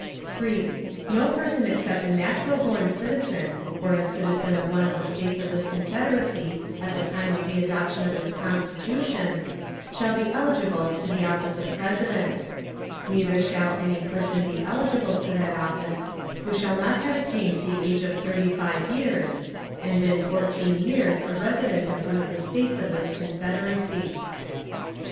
3. No person except a natural born citizen, or a citizen of one of the States of this Confederacy at the time of the adoption of this Constitution, shall be eligible to the office of President; neither shall any person be eligible to that office who shall not have attained the age of thirty five years, and been fourteen years a resident of one of the States of this Confederacy.